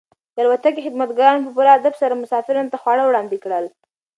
د الوتکې خدمتګارانو په پوره ادب سره مسافرانو ته خواړه وړاندې کړل.